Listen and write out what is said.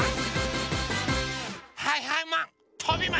はいはいマンとびます！